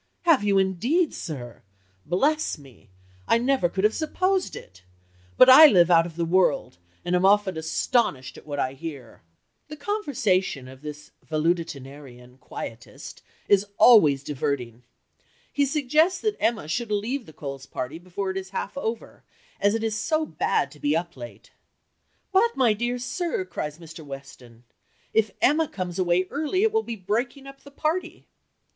"'Have you, indeed, sir? Bless me! I never could have supposed it. But I live out of the world, and am often astonished at what I hear.'" The conversation of this valetudinarian quietist is always diverting. He suggests that Emma should leave the Coles' party before it is half over, as it is so bad to be up late. "But, my dear sir," cried Mr. Weston, "if Emma comes away early it will be breaking up the party."